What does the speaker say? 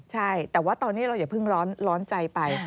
ใช่แต่ว่าตอนนี้เราอย่าเพิ่งร้อนใจไป